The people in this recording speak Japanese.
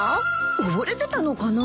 溺れてたのかな。